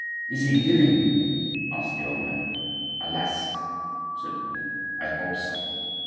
"Is he living?" asked the old man. "Alas!" said the queen, "I hope so."